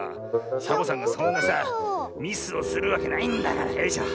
サボさんがそんなさミスをするわけないんだからよいしょ。